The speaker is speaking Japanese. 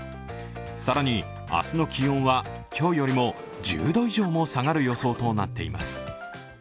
更に、明日の気温は今日よりも１０度以上も下がる予想となっています。